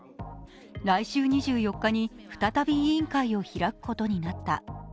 来週２４日に再び委員会を開くことになった。